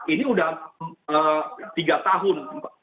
ini udah tiga tahun